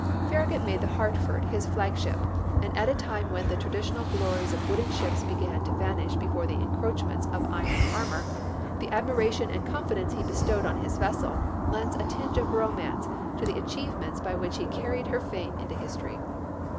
Farragut made the Hartford his flag ship ; and at a time when the traditional glories of wooden ships began to vanish before the encroach ments of iron armor, the admiration and confidence he bestowed on his vessel lends a tinge of romance to the achievements by which he carried her fame into history.